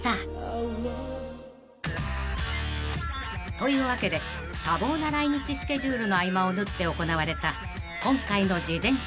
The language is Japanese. ［というわけで多忙な来日スケジュールの合間を縫って行われた今回の事前取材］